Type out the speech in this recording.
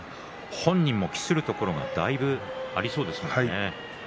本人も期するところがだいぶありそうですか？